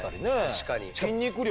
確かに。